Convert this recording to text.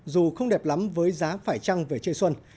dù không đẹp lắm với giá phải trăng về chơi xuân